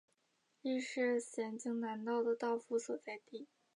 亦是咸镜南道的道府所在地。